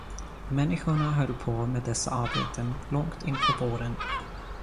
Människorna höll på med dessa arbeten långt inpå våren.